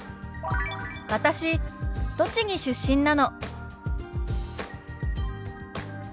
「私栃木出身なの」。